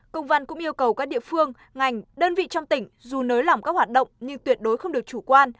công văn cũng yêu cầu các địa phương ngành đơn vị trong tỉnh dù nới lỏng các hoạt động nhưng tuyệt đối không được chủ quan